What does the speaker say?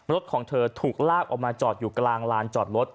รถของเธอถูกลากออกมาจอดอยู่กลางลานจอดรถ